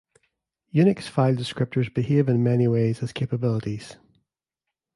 Unix file descriptors behave in many ways as capabilities.